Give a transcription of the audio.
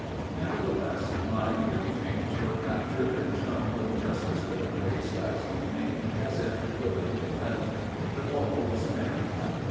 Nevertheless, my pretty things were captured, and shone with just as good a grace last evening as if willingly lent. The ball was a merry one.